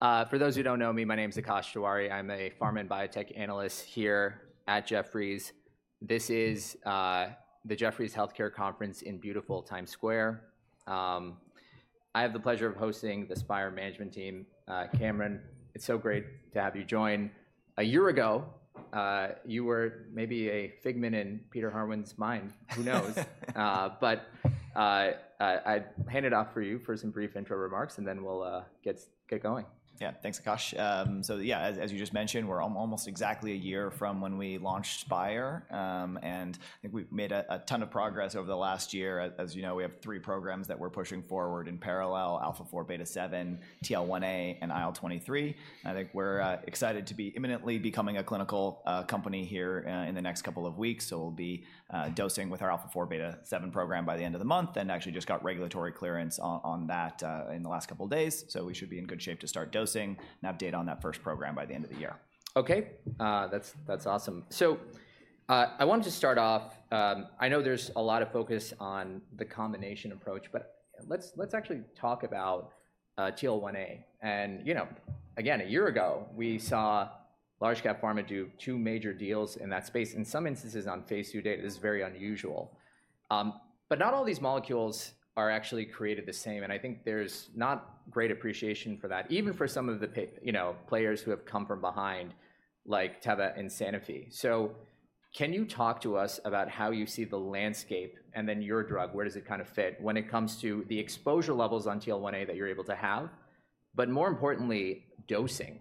For those who don't know me, my name's Akash Tewari. I'm a Pharma and Biotech Analyst here at Jefferies. This is the Jefferies Healthcare Conference in beautiful Times Square. I have the pleasure of hosting the Spyre management team. Cameron, it's so great to have you join. A year ago, you were maybe a figment in Peter Harwin's mind, who knows? But I hand it off to you for some brief intro remarks, and then we'll get going. Yeah. Thanks, Akash. So yeah, as you just mentioned, we're almost exactly a year from when we launched Spyre. And I think we've made a ton of progress over the last year. As you know, we have three programs that we're pushing forward in parallel, α4β7, TL1A, and IL-23. I think we're excited to be imminently becoming a clinical company here in the next couple of weeks. So we'll be dosing with our α4β7 program by the end of the month, and actually just got regulatory clearance on that in the last couple days. So we should be in good shape to start dosing and have data on that first program by the end of the year. Okay. That's, that's awesome. So, I wanted to start off. I know there's a lot of focus on the combination approach, but let's, let's actually talk about TL1A. And, you know, again, a year ago, we saw Large-Cap Pharma do two major deals in that space, in some instances, on phase II data. This is very unusual. But not all these molecules are actually created the same, and I think there's not great appreciation for that, even for some of the you know, players who have come from behind, like Teva and Sanofi. So can you talk to us about how you see the landscape and then your drug, where does it kind of fit when it comes to the exposure levels on TL1A that you're able to have, but more importantly, dosing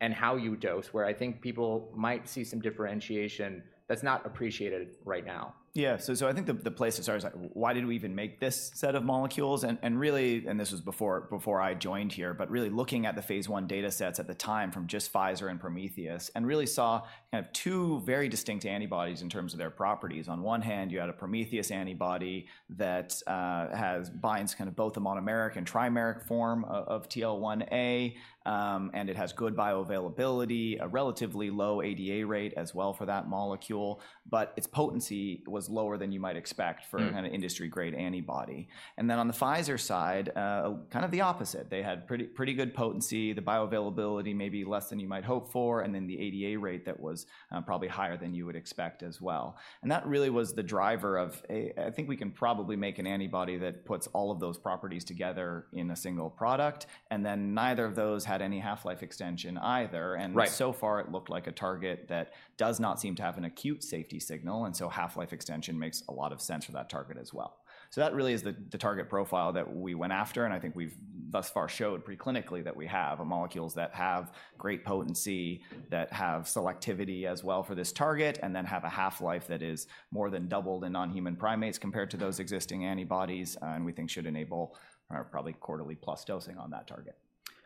and how you dose, where I think people might see some differentiation that's not appreciated right now? Yeah, so I think the place to start is like, why did we even make this set of molecules? And really, this was before I joined here, but really looking at the phase I data sets at the time from just Pfizer and Prometheus, and really saw kind of two very distinct antibodies in terms of their properties. On one hand, you had a Prometheus antibody that has binds kind of both the monomeric and trimeric form of TL1A, and it has good bioavailability, a relatively low ADA rate as well for that molecule, but its potency was lower than you might expect- Mm. For a kind of industry-grade antibody. And then on the Pfizer side, kind of the opposite. They had pretty, pretty good potency, the bioavailability maybe less than you might hope for, and then the ADA rate that was, probably higher than you would expect as well. And that really was the driver of, "I think we can probably make an antibody that puts all of those properties together in a single product," and then neither of those had any half-life extension either, and- Right. So far, it looked like a target that does not seem to have an acute safety signal, and so half-life extension makes a lot of sense for that target as well. So that really is the, the target profile that we went after, and I think we've thus far showed pre-clinically that we have a molecules that have great potency, that have selectivity as well for this target, and then have a half-life that is more than double the non-human primates compared to those existing antibodies, and we think should enable, probably quarterly plus dosing on that target.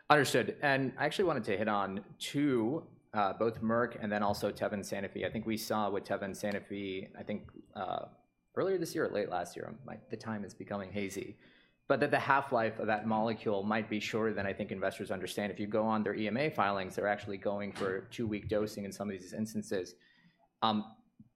Understood. And I actually wanted to hit on two, both Merck and then also Teva and Sanofi. I think we saw with Teva and Sanofi, I think, earlier this year or late last year, the time is becoming hazy, but that the half-life of that molecule might be shorter than I think investors understand. If you go on their EMA filings, they're actually going for two-week dosing in some of these instances.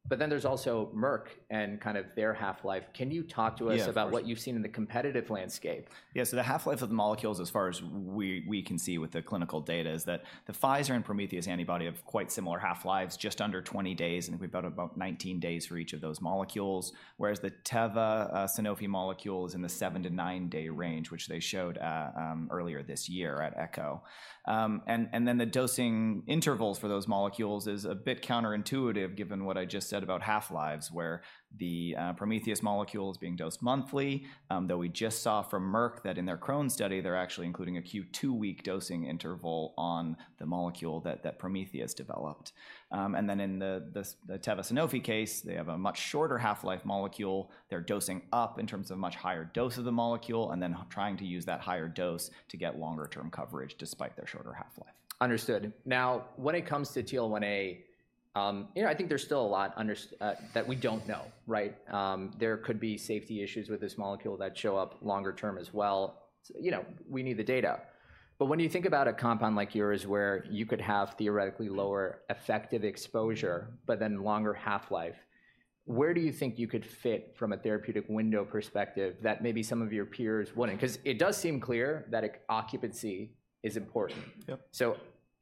But then there's also Merck and kind of their half-life. Can you talk to us- Yeah, of course.... about what you've seen in the competitive landscape? Yeah, so the half-life of the molecules, as far as we can see with the clinical data, is that the Pfizer and Prometheus antibody have quite similar half-lives, just under 20 days, and we've got about 19 days for each of those molecules. Whereas the Teva Sanofi molecule is in the 7-9-day range, which they showed earlier this year at ECCO. And then the dosing intervals for those molecules is a bit counterintuitive, given what I just said about half-lives, where the Prometheus molecule is being dosed monthly. Though we just saw from Merck that in their Crohn's study, they're actually including a 2-week dosing interval on the molecule that Prometheus developed. And then in the Teva Sanofi case, they have a much shorter half-life molecule. They're dosing up in terms of much higher dose of the molecule and then trying to use that higher dose to get longer-term coverage despite their shorter half-life. Understood. Now, when it comes to TL1A, you know, I think there's still a lot that we don't know, right? There could be safety issues with this molecule that show up longer term as well. You know, we need the data. But when you think about a compound like yours, where you could have theoretically lower effective exposure, but then longer half-life, where do you think you could fit from a therapeutic window perspective that maybe some of your peers wouldn't? 'Cause it does seem clear that occupancy is important. Yep.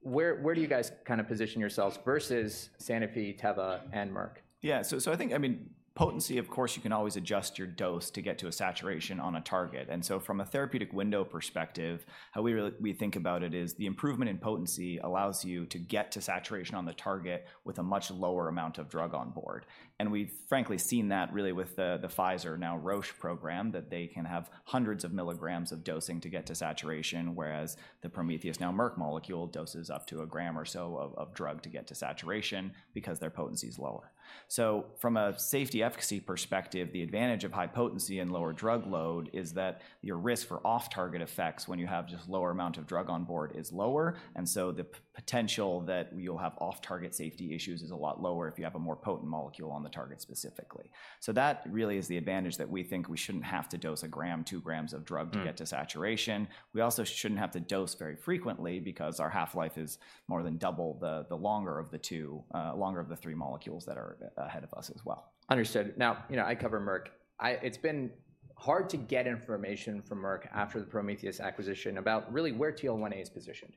So where do you guys kind of position yourselves versus Sanofi, Teva, and Merck? Yeah. So I think, I mean, potency, of course, you can always adjust your dose to get to a saturation on a target. And so from a therapeutic window perspective, how we think about it is the improvement in potency allows you to get to saturation on the target with a much lower amount of drug on board. And we've frankly seen that really with the Pfizer, now Roche program, that they can have hundreds of milligrams of dosing to get to saturation, whereas the Prometheus, now Merck molecule, doses up to a gram or so of drug to get to saturation because their potency is lower. So from a safety efficacy perspective, the advantage of high potency and lower drug load is that your risk for off-target effects when you have just lower amount of drug on board is lower. And so the potential that you'll have off-target safety issues is a lot lower if you have a more potent molecule on the target specifically. So that really is the advantage, that we think we shouldn't have to dose 1 g, 2 g of drug- Mm... to get to saturation. We also shouldn't have to dose very frequently because our half-life is more than double the longer of the two, longer of the three molecules that are ahead of us as well. Understood. Now, you know, I cover Merck. I... It's been hard to get information from Merck after the Prometheus acquisition about really where TL1A is positioned.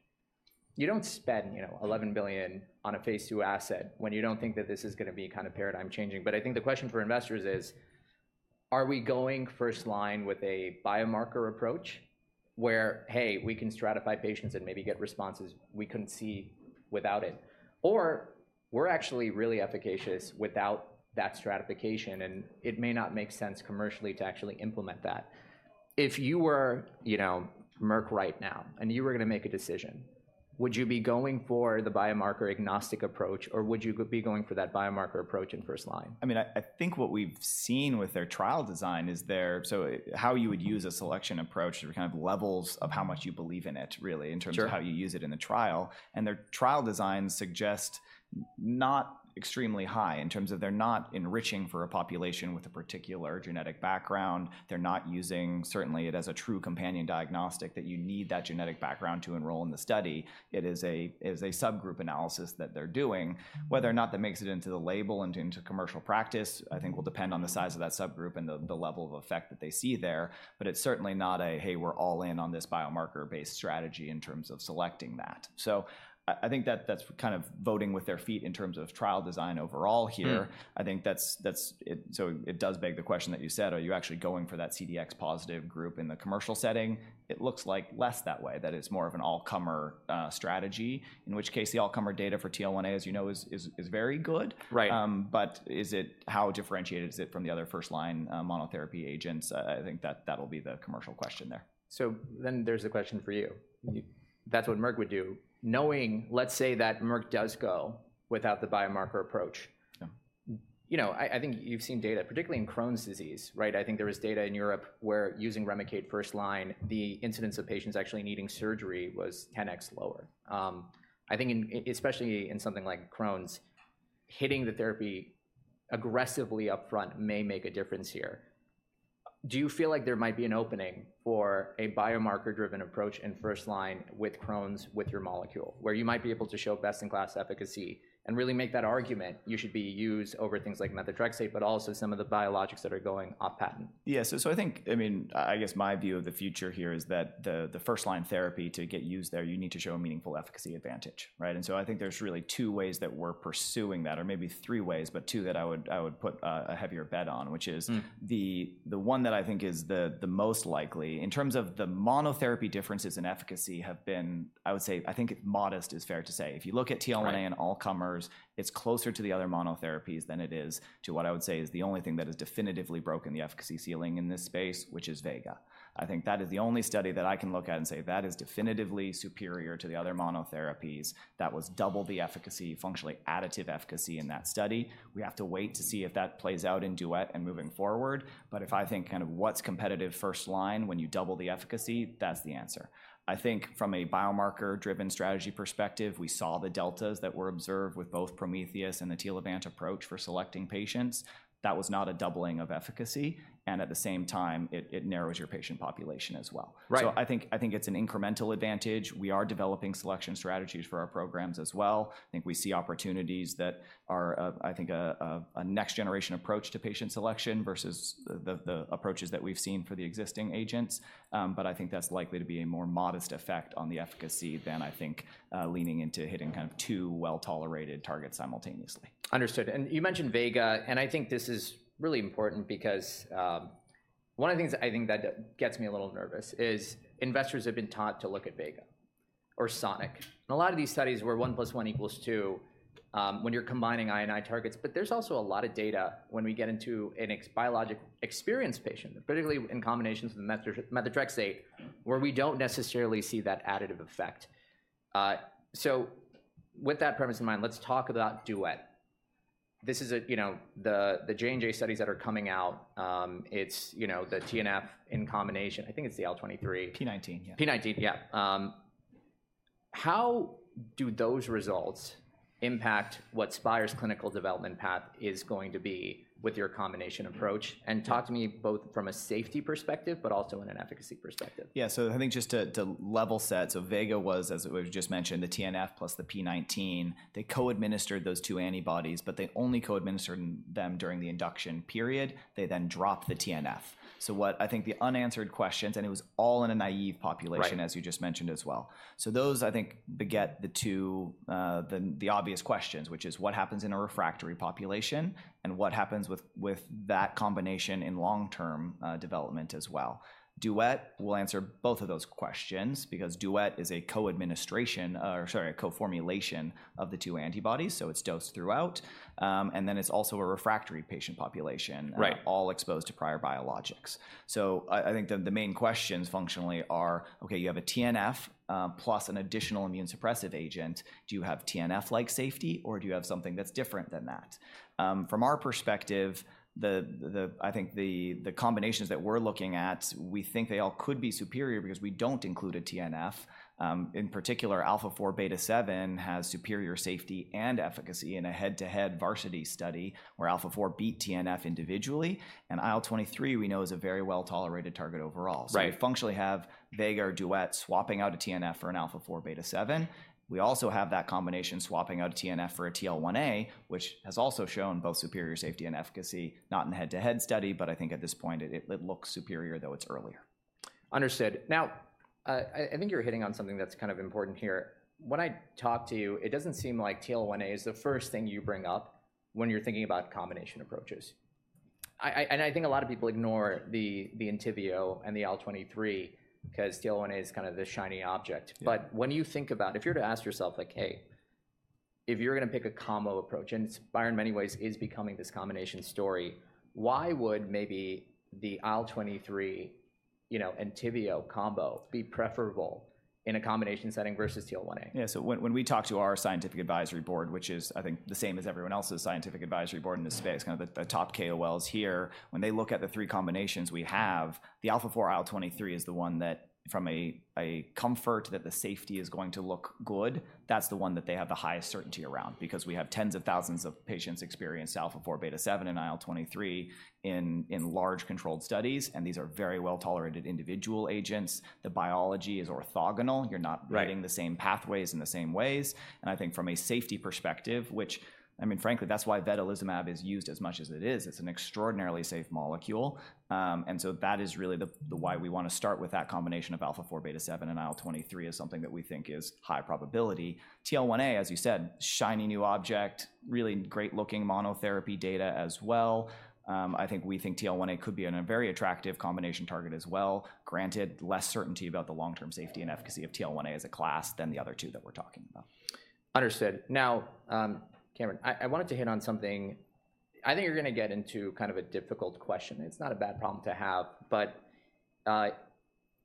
You don't spend, you know, $11 billion on a phase II asset when you don't think that this is gonna be kind of paradigm changing. But I think the question for investors is, are we going first line with a biomarker approach where, hey, we can stratify patients and maybe get responses we couldn't see without it? Or we're actually really efficacious without that stratification, and it may not make sense commercially to actually implement that. If you were, you know, Merck right now, and you were gonna make a decision, would you be going for the biomarker agnostic approach, or would you go- be going for that biomarker approach in first line? I mean, I think what we've seen with their trial design is they're—so, how you would use a selection approach, there are kind of levels of how much you believe in it, really. Sure.... in terms of how you use it in the trial, and their trial designs suggest not extremely high in terms of they're not enriching for a population with a particular genetic background. They're not using certainly it as a true companion diagnostic that you need that genetic background to enroll in the study. It is a, it is a subgroup analysis that they're doing. Whether or not that makes it into the label and into commercial practice, I think will depend on the size of that subgroup and the, the level of effect that they see there, but it's certainly not a, "Hey, we're all in on this biomarker-based strategy in terms of selecting that." So I, I think that that's kind of voting with their feet in terms of trial design overall here. Hmm. I think that's it—so it does beg the question that you said, are you actually going for that CDx positive group in the commercial setting? It looks like less that way, that it's more of an all-comer strategy, in which case, the all-comer data for TL1A, as you know, is very good. Right. But is it how differentiated is it from the other first-line monotherapy agents? I think that that'll be the commercial question there. So then there's a question for you. Mm-hmm. If that's what Merck would do, knowing, let's say, that Merck does go without the biomarker approach- Yeah You know, I think you've seen data, particularly in Crohn's disease, right? I think there is data in Europe where using Remicade first line, the incidence of patients actually needing surgery was 10x lower. I think in, especially in something like Crohn's, hitting the therapy aggressively upfront may make a difference here. Do you feel like there might be an opening for a biomarker-driven approach in first line with Crohn's with your molecule, where you might be able to show best-in-class efficacy and really make that argument you should be used over things like methotrexate, but also some of the biologics that are going off patent? Yeah, so, so I think... I mean, I guess my view of the future here is that the, the first-line therapy, to get used there, you need to show a meaningful efficacy advantage, right? And so I think there's really two ways that we're pursuing that, or maybe three ways, but two that I would, I would put, a heavier bet on, which is.. Hmm The one that I think is the most likely, in terms of the monotherapy differences in efficacy have been, I would say, I think modest is fair to say. If you look at TL1A- Right. And all comers, it's closer to the other monotherapies than it is to what I would say is the only thing that has definitively broken the efficacy ceiling in this space, which is VEGA. I think that is the only study that I can look at and say, "That is definitively superior to the other monotherapies. That was double the efficacy, functionally additive efficacy in that study." We have to wait to see if that plays out in DUET and moving forward. But if I think kind of what's competitive first line, when you double the efficacy, that's the answer. I think from a biomarker-driven strategy perspective, we saw the deltas that were observed with both Prometheus and the Teva approach for selecting patients. That was not a doubling of efficacy, and at the same time, it narrows your patient population as well. Right. So I think, I think it's an incremental advantage. We are developing selection strategies for our programs as well. I think we see opportunities that are of a next-generation approach to patient selection versus the approaches that we've seen for the existing agents. But I think that's likely to be a more modest effect on the efficacy than, I think, leaning into hitting- Mm-hmm... kind of two well-tolerated targets simultaneously. Understood. And you mentioned VEGA, and I think this is really important because one of the things I think that gets me a little nervous is investors have been taught to look at VEGA or SONIC, and a lot of these studies were 1 + 1 = 2 when you're combining I&I targets. But there's also a lot of data when we get into an ex-biologic experienced patient, particularly in combinations with methotrexate, where we don't necessarily see that additive effect. So with that premise in mind, let's talk about DUET. This is a, you know, the, the J&J studies that are coming out, it's, you know, the TNF in combination. I think it's the IL-23. p19, yeah. p19, yeah. How do those results impact what Spyre's clinical development path is going to be with your combination approach? And talk to me both from a safety perspective, but also in an efficacy perspective. Yeah. So I think just to level set, so VEGA was, as we've just mentioned, the TNF plus the p19. They co-administered those two antibodies, but they only co-administered them during the induction period. They then dropped the TNF. So what I think the unanswered questions, and it was all in a naive population- Right As you just mentioned as well. So those, I think, beget the two, the obvious questions, which is, what happens in a refractory population, and what happens with that combination in long-term development as well? DUET will answer both of those questions because DUET is a co-administration, or sorry, a co-formulation of the two antibodies, so it's dosed throughout. And then it's also a refractory patient population- Right All exposed to prior biologics. So I think the main questions functionally are, okay, you have a TNF plus an additional immunosuppressive agent. Do you have TNF-like safety, or do you have something that's different than that? From our perspective, I think the combinations that we're looking at, we think they all could be superior because we don't include a TNF. In particular, α4β7 has superior safety and efficacy in a head-to-head VARSITY study, where α4β7beat TNF individually, and IL-23 we know is a very well-tolerated target overall. Right. So you functionally have VEGA or DUET swapping out a TNF for an α4β7. We also have that combination swapping out a TNF for a TL1A, which has also shown both superior safety and efficacy, not in a head-to-head study, but I think at this point it, it looks superior, though it's earlier. Understood. Now, I think you're hitting on something that's kind of important here. When I talk to you, it doesn't seem like TL1A is the first thing you bring up when you're thinking about combination approaches. And I think a lot of people ignore the Entyvio and the IL-23 'cause TL1A is kind of the shiny object. Yeah. But when you think about, if you were to ask yourself, like, hey, if you're gonna pick a combo approach, and Spyre, in many ways, is becoming this combination story, why would maybe the IL-23, you know, Entyvio combo be preferable in a combination setting versus TL1A? Yeah, so when we talk to our scientific advisory board, which is, I think, the same as everyone else's scientific advisory board in this space- Yeah Kind of the top KOLs here, when they look at the three combinations we have, the α4 IL-23 is the one that from a comfort that the safety is going to look good, that's the one that they have the highest certainty around. Because we have tens of thousands of patients experience α4β7 and IL-23 in large controlled studies, and these are very well-tolerated individual agents. The biology is orthogonal. Right. You're not hitting the same pathways in the same ways, and I think from a safety perspective, which, I mean, frankly, that's why vedolizumab is used as much as it is. It's an extraordinarily safe molecule. And so that is really the why we wanna start with that combination of α4β7and IL-23 as something that we think is high probability. TL1A, as you said, shiny new object, really great-looking monotherapy data as well. I think we think TL1A could be an a very attractive combination target as well, granted less certainty about the long-term safety and efficacy of TL1A as a class than the other two that we're talking about. Understood. Now, Cameron, I wanted to hit on something. I think you're gonna get into kind of a difficult question. It's not a bad problem to have, but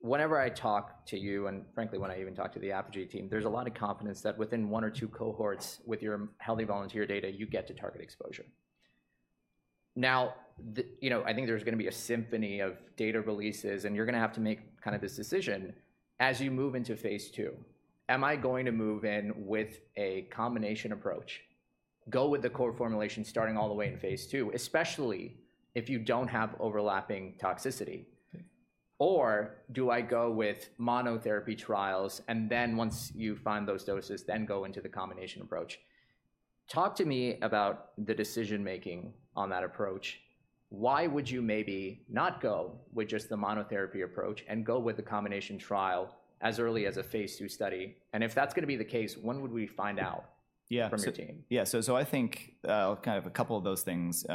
whenever I talk to you, and frankly, when I even talk to the Apogee team, there's a lot of confidence that within one or two cohorts with your healthy volunteer data, you get to target exposure. Now, you know, I think there's gonna be a symphony of data releases, and you're gonna have to make kind of this decision as you move into phase II. Am I going to move in with a combination approach, go with the core formulation, starting all the way in phase II, especially if you don't have overlapping toxicity? Mm. Or do I go with monotherapy trials, and then once you find those doses, then go into the combination approach? Talk to me about the decision-making on that approach. Why would you maybe not go with just the monotherapy approach and go with the combination trial as early as a phase II study? And if that's gonna be the case, when would we find out? Yeah, so- from your team? Yeah, so I think kind of a couple of those things.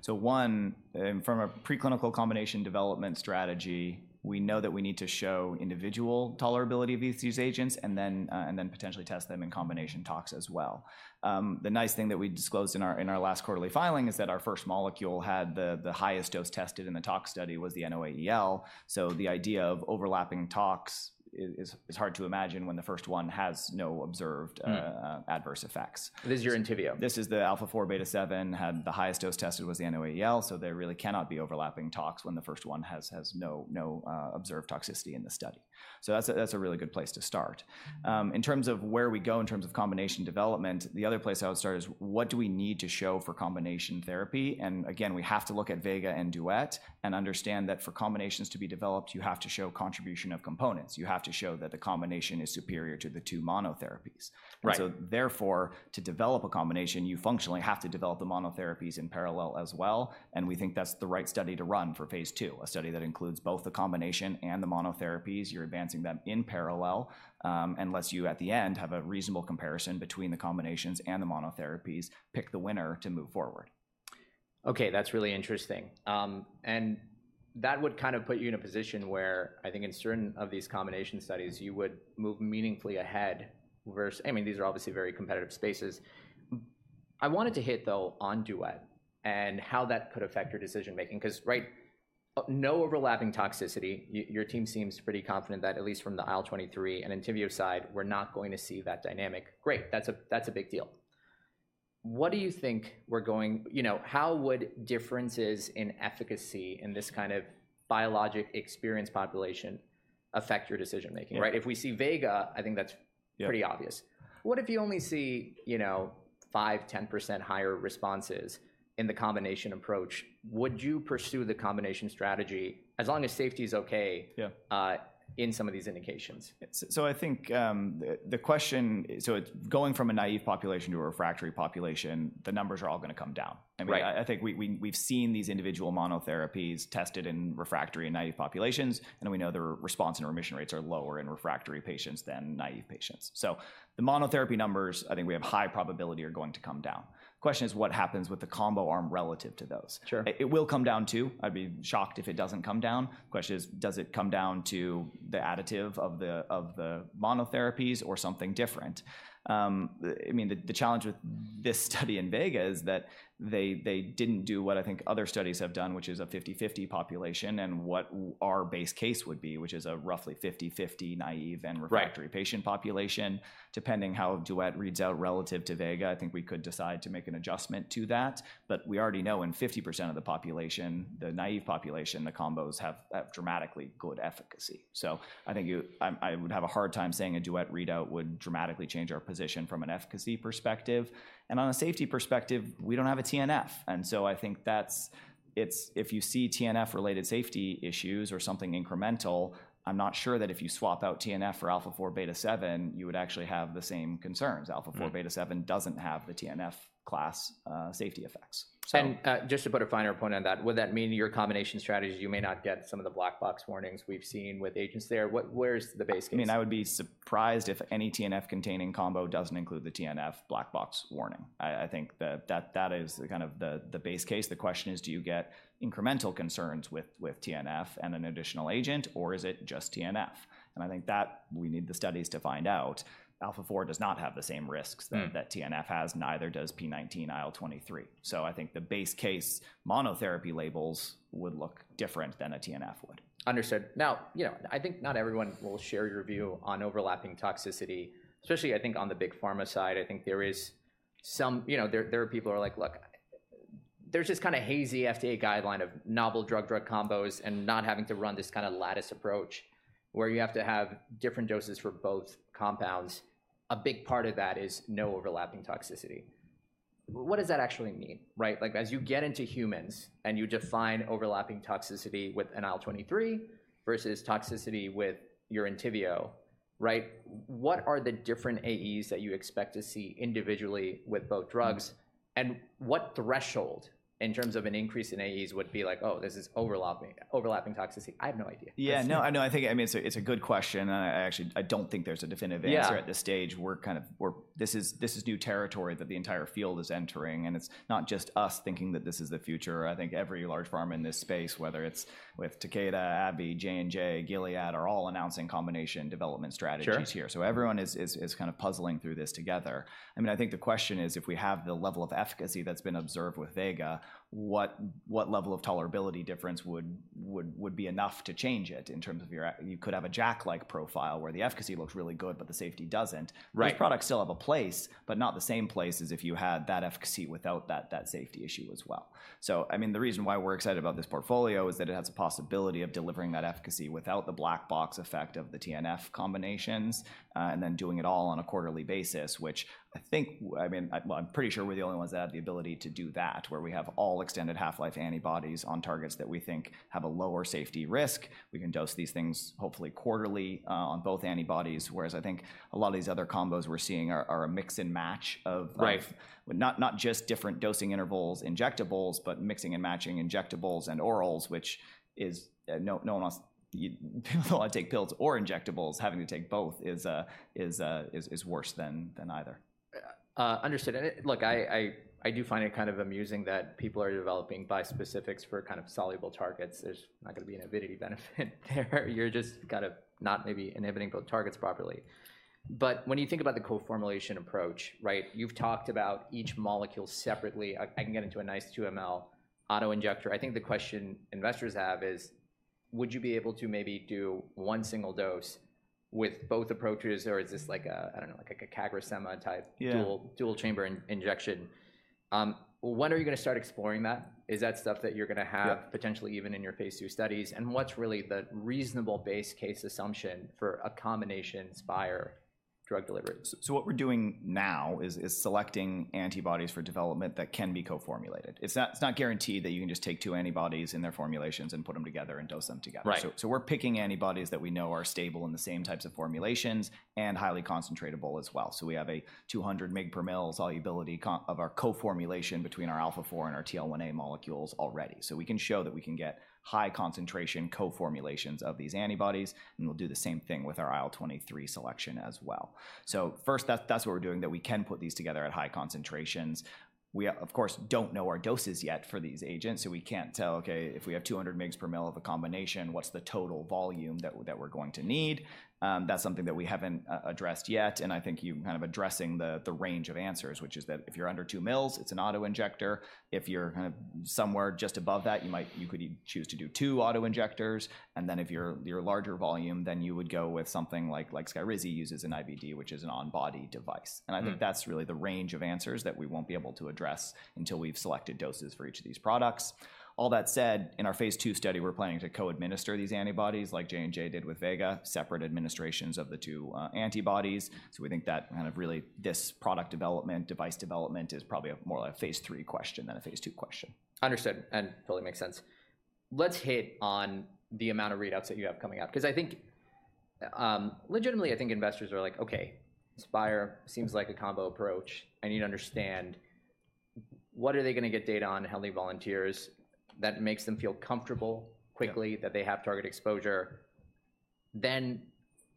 So one, from a preclinical combination development strategy, we know that we need to show individual tolerability of these agents and then potentially test them in combination tox as well. The nice thing that we disclosed in our last quarterly filing is that our first molecule had the highest dose tested in the tox study was the NOAEL. So the idea of overlapping tox is hard to imagine when the first one has no observed- Mm Adverse effects. This is your Entyvio? This is the α4β7, had the highest dose tested was the NOAEL, so there really cannot be overlapping tox when the first one has no observed toxicity in the study. So that's a really good place to start. In terms of where we go in terms of combination development, the other place I would start is, what do we need to show for combination therapy? And again, we have to look at VEGA and DUET and understand that for combinations to be developed, you have to show contribution of components. You have to show that the combination is superior to the two monotherapies. Right. So therefore, to develop a combination, you functionally have to develop the monotherapies in parallel as well, and we think that's the right study to run for phase II, a study that includes both the combination and the monotherapies. You're advancing them in parallel, unless you, at the end, have a reasonable comparison between the combinations and the monotherapies, pick the winner to move forward. Okay, that's really interesting. And that would kind of put you in a position where I think in certain of these combination studies, you would move meaningfully ahead versus - I mean, these are obviously very competitive spaces. I wanted to hit, though, on DUET and how that could affect your decision-making 'cause, right, no overlapping toxicity. Your team seems pretty confident that at least from the IL-23 and Entyvio side, we're not going to see that dynamic. Great, that's a big deal. What do you think we're going - You know, how would differences in efficacy in this kind of biologic experience population affect your decision-making, right? Mm. If we see VEGA, I think that's- Yeah Pretty obvious. What if you only see, you know, 5%-10% higher responses in the combination approach? Would you pursue the combination strategy as long as safety is okay- Yeah... in some of these indications? So I think the question. So going from a naive population to a refractory population, the numbers are all gonna come down. Right. I mean, I think we've seen these individual monotherapies tested in refractory and naive populations, and we know the response and remission rates are lower in refractory patients than naive patients. So the monotherapy numbers, I think we have high probability, are going to come down. Question is, what happens with the combo arm relative to those? Sure. It will come down, too. I'd be shocked if it doesn't come down. Question is, does it come down to the additive of the monotherapies or something different? I mean, the challenge with this study in VEGA is that they didn't do what I think other studies have done, which is a 50/50 population and what our base case would be, which is a roughly 50/50 naive and- Right... refractory patient population. Depending how DUET reads out relative to VEGA, I think we could decide to make an adjustment to that. But we already know in 50% of the population, the naive population, the combos have dramatically good efficacy. So I think you... I would have a hard time saying a DUET readout would dramatically change our position from an efficacy perspective. And on a safety perspective, we don't have a TNF, and so I think that's if you see TNF-related safety issues or something incremental, I'm not sure that if you swap out TNF for α4β7, you would actually have the same concerns. Mm-hmm. α4β7 doesn't have the TNF class safety effects, so- Just to put a finer point on that, would that mean your combination strategies, you may not get some of the black box warnings we've seen with agents there? Where's the base case? I mean, I would be surprised if any TNF-containing combo doesn't include the TNF black box warning. I think that is the kind of base case. The question is, do you get incremental concerns with TNF and an additional agent, or is it just TNF? And I think that we need the studies to find out, α4 does not have the same risks- Mm... that TNF has, neither does p19 IL-23. So I think the base case monotherapy labels would look different than a TNF would. Understood. Now, you know, I think not everyone will share your view on overlapping toxicity, especially I think on the big pharma side. I think there is some... You know, there are people who are like, "Look, there's this kinda hazy FDA guideline of novel drug-drug combos and not having to run this kinda lattice approach, where you have to have different doses for both compounds. A big part of that is no overlapping toxicity. What does that actually mean, right? Like, as you get into humans, and you define overlapping toxicity with an IL-23 versus toxicity with your Entyvio, right, what are the different AEs that you expect to see individually with both drugs? Mm-hmm. What threshold in terms of an increase in AEs would be like, "Oh, this is overlapping, overlapping toxicity?" I have no idea. Yeah, no, I know. I think, I mean, so it's a good question, and I actually, I don't think there's a definitive answer- Yeah... at this stage. We're kind of, this is, this is new territory that the entire field is entering, and it's not just us thinking that this is the future. I think every large pharma in this space, whether it's with Takeda, AbbVie, J&J, Gilead, are all announcing combination development strategies here. Sure. So everyone is kind of puzzling through this together. I mean, I think the question is, if we have the level of efficacy that's been observed with VEGA, what level of tolerability difference would be enough to change it in terms of your—you could have a JAK-like profile, where the efficacy looks really good, but the safety doesn't. Right. These products still have a place, but not the same place as if you had that efficacy without that, that safety issue as well. So, I mean, the reason why we're excited about this portfolio is that it has a possibility of delivering that efficacy without the black box effect of the TNF combinations, and then doing it all on a quarterly basis, which I think—I mean, I, well, I'm pretty sure we're the only ones that have the ability to do that, where we have all extended half-life antibodies on targets that we think have a lower safety risk. We can dose these things, hopefully quarterly, on both antibodies, whereas I think a lot of these other combos we're seeing are a mix and match of- Right... not just different dosing intervals, injectables, but mixing and matching injectables and orals, which is, no, no one wants, people don't wanna take pills or injectables. Having to take both is worse than either. Understood. Look, I do find it kind of amusing that people are developing bispecifics for kind of soluble targets. There's not gonna be an avidity benefit there. You're just gonna not maybe inhibiting both targets properly. But when you think about the co-formulation approach, right, you've talked about each molecule separately. "I can get into a nice 2 mL auto-injector." I think the question investors have is: would you be able to maybe do one single dose with both approaches, or is this like a, I don't know, like a CagriSema type- Yeah... dual-chamber injection? Well, when are you gonna start exploring that? Is that stuff that you're gonna have- Yeah... potentially even in your phase II studies? And what's really the reasonable base case assumption for a combination Spyre drug delivery? So what we're doing now is selecting antibodies for development that can be co-formulated. It's not guaranteed that you can just take two antibodies in their formulations and put them together and dose them together. Right. So we're picking antibodies that we know are stable in the same types of formulations and highly concentrable as well. We have a 200 mg per mL solubility of our co-formulation between our α4 and our TL1A molecules already. We can show that we can get high concentration co-formulations of these antibodies, and we'll do the same thing with our IL-23 selection as well. First, that's what we're doing, that we can put these together at high concentrations. We, of course, don't know our doses yet for these agents, so we can't tell, okay, if we have 200 mg per mL of a combination, what's the total volume that we're going to need? That's something that we haven't addressed yet, and I think you're kind of addressing the range of answers, which is that if you're under 2 mL, it's an auto-injector. If you're kind of somewhere just above that, you could choose to do two auto-injectors, and then if you're a larger volume, then you would go with something like Skyrizi, uses an OBD, which is an on-body device. Mm-hmm. I think that's really the range of answers that we won't be able to address until we've selected doses for each of these products. All that said, in our phase II study, we're planning to co-administer these antibodies like J&J did with VEGA, separate administrations of the two antibodies. So we think that kind of really, this product development, device development is probably a more like a phase III question than a phase II question. Understood, and totally makes sense. Let's hit on the amount of readouts that you have coming out. 'Cause I think, legitimately, I think investors are like, "Okay, Spyre seems like a combo approach, and you'd understand what are they gonna get data on how many volunteers that makes them feel comfortable- Yeah... quickly, that they have target exposure? Then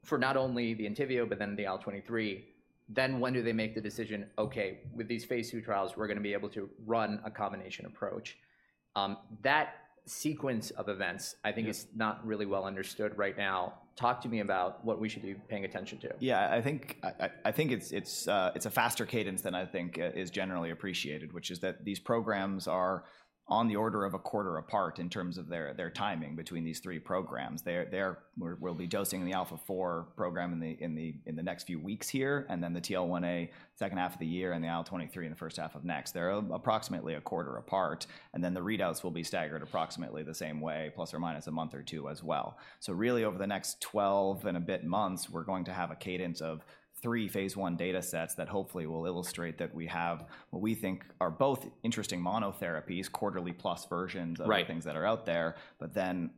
for not only the Entyvio, but then the IL-23, then when do they make the decision, "Okay, with these phase II trials, we're gonna be able to run a combination approach"? That sequence of events, I think- Yeah... is not really well understood right now. Talk to me about what we should be paying attention to. Yeah, I think it's a faster cadence than I think is generally appreciated, which is that these programs are on the order of a quarter apart in terms of their timing between these three programs. We'll be dosing the α4 program in the next few weeks here, and then the TL1A, second half of the year, and the IL-23 in the first half of next. They're approximately a quarter apart, and then the readouts will be staggered approximately the same way, ± a month or two as well. So really, over the next 12 and a bit months, we're going to have a cadence of three phase I data sets that hopefully will illustrate that we have what we think are both interesting monotherapies, quarterly plus versions- Right... of things that are out there. But then,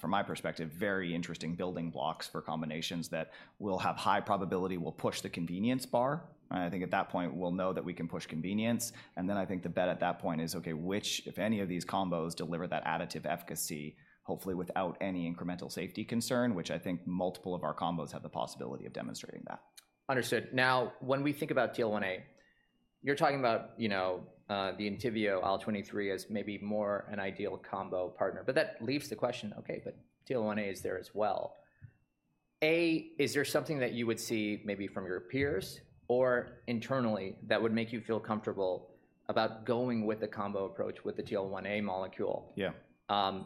from my perspective, very interesting building blocks for combinations that will have high probability, will push the convenience bar, and I think at that point, we'll know that we can push convenience. And then I think the bet at that point is, okay, which, if any of these combos, deliver that additive efficacy, hopefully without any incremental safety concern, which I think multiple of our combos have the possibility of demonstrating that. Understood. Now, when we think about TL1A, you're talking about, you know, the Entyvio IL-23 as maybe more an ideal combo partner, but that leaves the question, okay, but TL1A is there as well. A, is there something that you would see maybe from your peers or internally that would make you feel comfortable about going with the combo approach with the TL1A molecule? Yeah.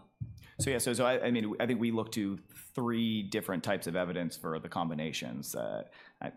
So, I mean, I think we look to three different types of evidence for the combinations.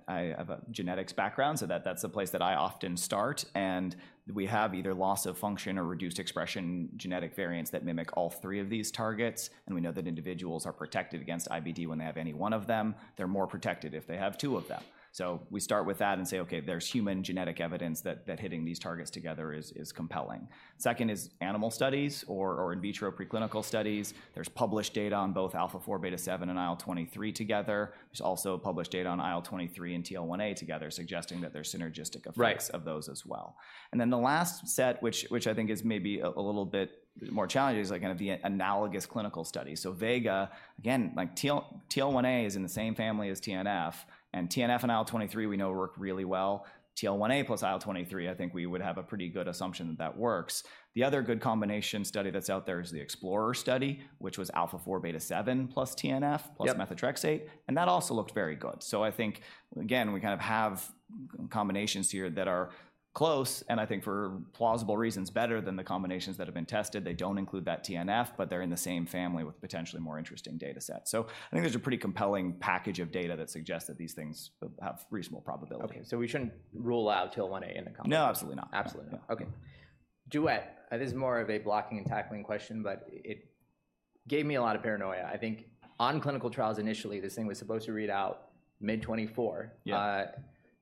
I have a genetics background, so that's the place that I often start, and we have either loss of function or reduced expression genetic variants that mimic all three of these targets, and we know that individuals are protected against IBD when they have any one of them. They're more protected if they have two of them. So we start with that and say, "Okay, there's human genetic evidence that hitting these targets together is compelling." Second is animal studies or in vitro preclinical studies. There's published data on both α4β7 and IL-23 together. There's also published data on IL-23 and TL1A together, suggesting that there's synergistic effects- Right of those as well. Then the last set, which I think is maybe a little bit more challenging, is like gonna be analogous clinical studies. So VEGA, again, like TL1A is in the same family as TNF, and TNF and IL-23 we know work really well. TL1A plus IL-23, I think we would have a pretty good assumption that works. The other good combination study that's out there is the EXPLORER study, which was α4β7 plus TNF- Yep plus methotrexate, and that also looked very good. So I think, again, we kind of have combinations here that are close, and I think for plausible reasons, better than the combinations that have been tested. They don't include that TNF, but they're in the same family with potentially more interesting data sets. So I think there's a pretty compelling package of data that suggests that these things have reasonable probability. Okay, so we shouldn't rule out TL1A in the combination? No, absolutely not. Absolutely not. No. Okay. DUET, this is more of a blocking and tackling question, but it gave me a lot of paranoia. I think on clinical trials, initially, this thing was supposed to read out mid 2024. Yeah.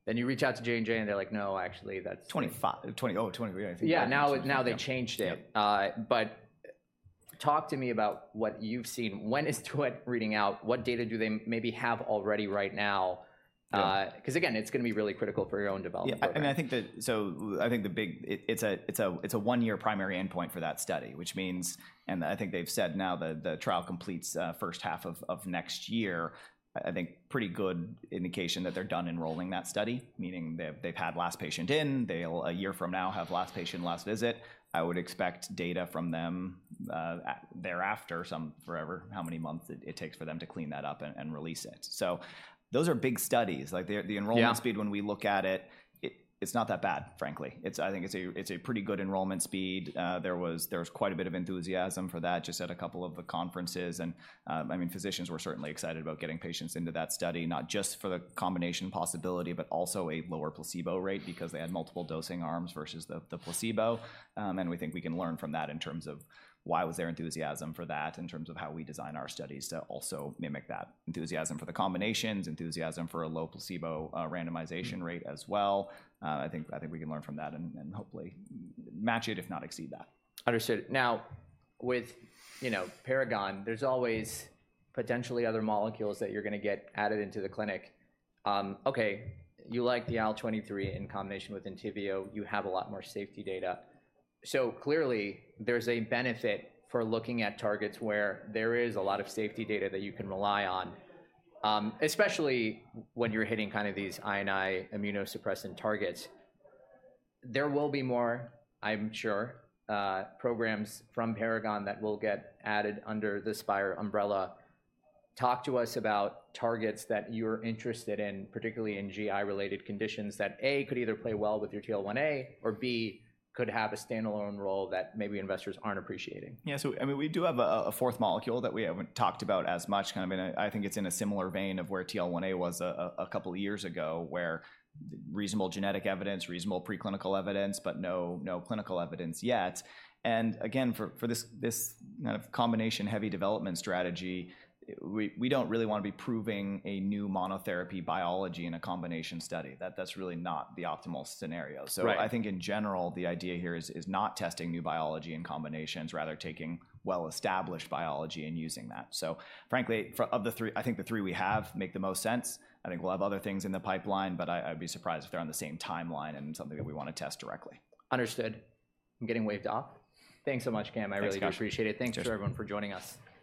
Then you reach out to J&J, and they're like, "No, actually, that's- 2025. 2020. Oh, 2020, I think. Yeah. Yeah. Now, now they changed it. Yep. But, talk to me about what you've seen. When is DUET reading out? What data do they maybe have already right now? Yeah. 'Cause again, it's gonna be really critical for your own development. Yeah, I mean, I think it's a one-year primary endpoint for that study, which means, and I think they've said now the trial completes first half of next year. I think pretty good indication that they're done enrolling that study, meaning they've had last patient in. They'll, a year from now, have last patient, last visit. I would expect data from them thereafter, some however many months it takes for them to clean that up and release it. So those are big studies. Like, the enrollment- Yeah speed when we look at it, it's not that bad, frankly. It's—I think it's a pretty good enrollment speed. There was quite a bit of enthusiasm for that just at a couple of the conferences. And, I mean, physicians were certainly excited about getting patients into that study, not just for the combination possibility, but also a lower placebo rate because they had multiple dosing arms versus the placebo. And we think we can learn from that in terms of why there was enthusiasm for that, in terms of how we design our studies to also mimic that enthusiasm for the combinations, enthusiasm for a low placebo randomization rate- Mm as well. I think we can learn from that and hopefully match it, if not exceed that. Understood. Now, with, you know, Paragon, there's always potentially other molecules that you're gonna get added into the clinic. Okay, you like the IL-23 in combination with Entyvio. You have a lot more safety data. So clearly, there's a benefit for looking at targets where there is a lot of safety data that you can rely on, especially when you're hitting kind of these I and I immunosuppressant targets. There will be more, I'm sure, programs from Paragon that will get added under the Spyre umbrella. Talk to us about targets that you're interested in, particularly in GI-related conditions, that, A, could either play well with your TL1A or, B, could have a standalone role that maybe investors aren't appreciating. Yeah, so I mean, we do have a fourth molecule that we haven't talked about as much, kind of in a—I think it's in a similar vein of where TL1A was a couple years ago, where reasonable genetic evidence, reasonable preclinical evidence, but no clinical evidence yet. And again, for this kind of combination-heavy development strategy, we don't really wanna be proving a new monotherapy biology in a combination study. That's really not the optimal scenario. Right. So I think in general, the idea here is, is not testing new biology in combinations, rather taking well-established biology and using that. So frankly, of the three, I think the three we have make the most sense. I think we'll have other things in the pipeline, but I, I'd be surprised if they're on the same timeline and something that we wanna test directly. Understood. I'm getting waved off. Thanks so much, Cam. Thanks, Scott. I really do appreciate it. Appreciation. Thanks to everyone for joining us.